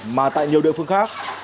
mà tại nhiều địa phương khác